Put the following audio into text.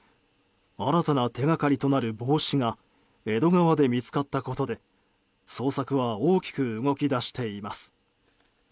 新たな手掛かりとなる帽子が江戸川で見つかったことで捜索は大きく動き出しています。